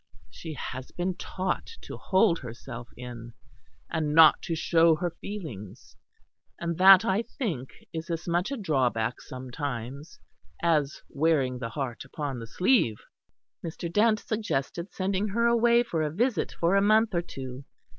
She has been taught to hold herself in, and not to show her feelings; and that, I think, is as much a drawback sometimes as wearing the heart upon the sleeve." Mr. Dent suggested sending her away for a visit for a month or two.